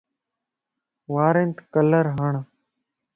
وارنت ڪلر ھڻ